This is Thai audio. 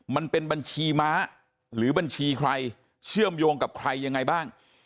บัญชีม้าหรือบัญชีใครเชื่อมโยงกับใครยังไงบ้าง